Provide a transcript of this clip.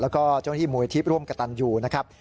แล้วก็เจ้าหน้าที่มูลที่ร่วมกระตันอยู่นะครับ